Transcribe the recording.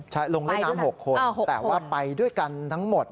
ใช่ลงเล่นน้ำ๖คนแต่ว่าไปด้วยกันทั้งหมด